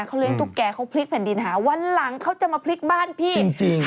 เขาเลี้ยงตุ๊กแก่เขาพลิกแผ่นดินหาวันหลังเขาจะมาพลิกบ้านพี่หาตุ๊กแก่แล้วเนี่ย